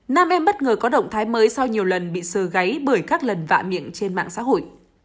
nam em bất ngờ có động thái mới sau nhiều lần bị sờ gáy bởi các lần vạ miệng trên mạng xã hội